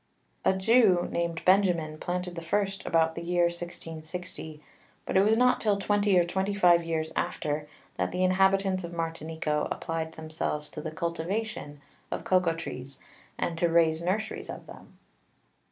A Jew named Benjamin planted the first about the Year 1660, but it was not till twenty or twenty five Years after, that the Inhabitants of Martinico apply'd themselves to the Cultivation of Cocao Trees, and to raise Nurseries of them.